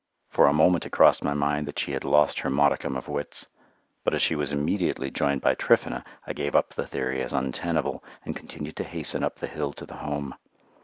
For a moment it crossed my mind that she had lost her modicum of wits, but as she was immediately joined by Tryphena, I gave up the theory as untenable, and continued to hasten up the hill to the Home.